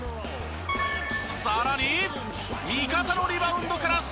さらに味方のリバウンドから速攻！